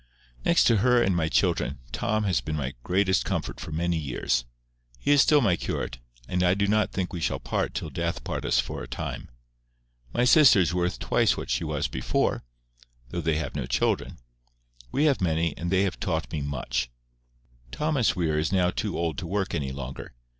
Next to her and my children, Tom has been my greatest comfort for many years. He is still my curate, and I do not think we shall part till death part us for a time. My sister is worth twice what she was before, though they have no children. We have many, and they have taught me much. Thomas Weir is now too old to work any longer.